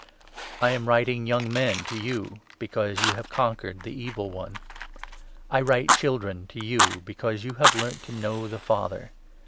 I am writing, Young Men, to you, .because you have conquered the Evil One. I write, Children, to you, be cause you have learnt to know the Father.